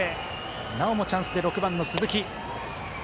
なおもチャンスで、６番、鈴木。